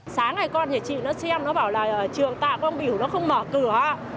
sáng ngày con nhà chị nó xem nó bảo là trường tạ quang bửu nó không mở cửa